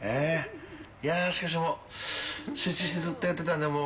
しかしもう集中してずっとやってたんで。